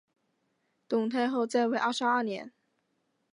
董太后在位二十二年。